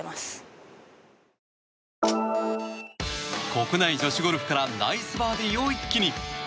国内女子ゴルフからナイスバーディーを一気に。